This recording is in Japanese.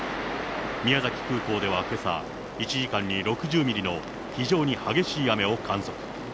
宮崎空港ではけさ、１時間に６０ミリの非常に激しい雨を観測。